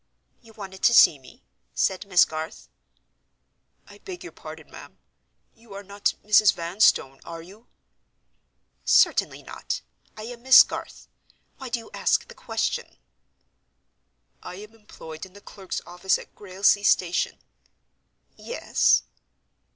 "You wanted to see me?" said Miss Garth. "I beg your pardon, ma'am.—You are not Mrs. Vanstone, are you?" "Certainly not. I am Miss Garth. Why do you ask the question?" "I am employed in the clerk's office at Grailsea Station—" "Yes?"